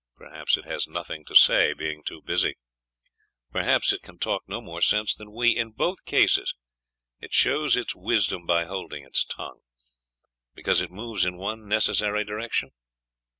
Perhaps it has nothing to say, being too busy. Perhaps it can talk no more sense than we.... In both cases it shows its wisdom by holding its tongue. Because it moves in one necessary direction?